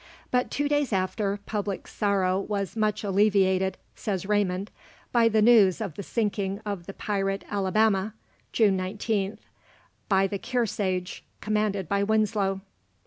But two days after, public sorrow was "much alleviated," says Raymond, "by the news of the sinking of the pirate Alabama" (June 19th) by the Kearsage, commanded by Winslow.